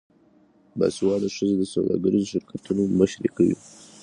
باسواده ښځې د سوداګریزو شرکتونو مشري کوي.